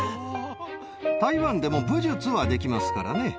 台湾でも武術はできますからね。